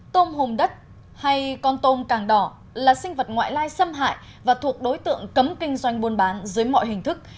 tôm hùm đất hay con tôm càng đỏ là sinh vật ngoại lai xâm hại và thuộc đối tượng cấm kinh doanh buôn bán dưới mọi hình thức